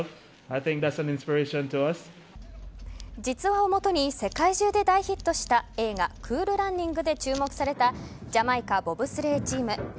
実話をもとに世界中で大ヒットした映画「クール・ランニング」で注目されたジャマイカボブスレーチーム。